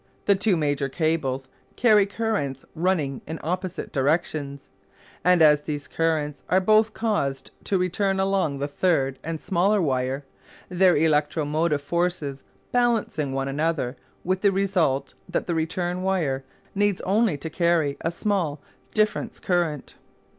The two major cables carry currents running in opposite directions, and as these currents are both caused to return along the third and smaller wire their electro motive forces balance one another, with the result that the return wire needs only to carry a small difference current.